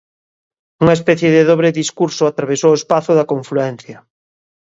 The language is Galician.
Unha especie de dobre discurso atravesou o espazo da confluencia.